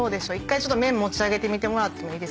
１回麺持ち上げてみてもらって。